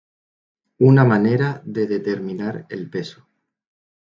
una manera de determinar el peso